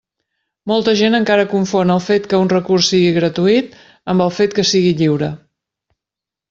Molta gent encara confon el fet que un recurs sigui gratuït amb el fet que sigui lliure.